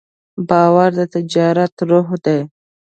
باور د تجارت روح دی.